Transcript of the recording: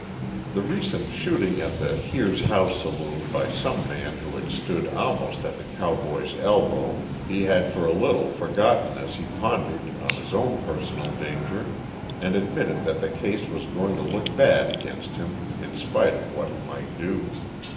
The recent shooting at the Here's How Saloon by some man who had stood almost at the cowboy's elbow, he had for a little forgotten as he pondered on his own personal danger and admitted that the case was going to look bad against him in spite of what he might do.